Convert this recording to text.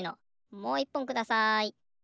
もういっぽんください。